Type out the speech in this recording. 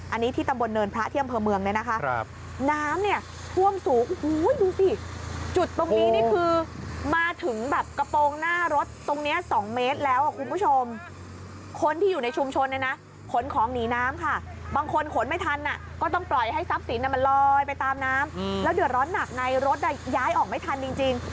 อันนี้ที่ตำบลเนินพระเที่ยงเพิ่มเมืองนะคะน้ำเนี่ยท่วมสูง